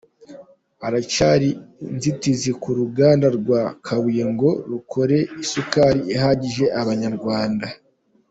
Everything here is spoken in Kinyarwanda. Haracyari inzitizi ku ruganda rwa Kabuye ngo rukore isukari ihagije Abanyarwanda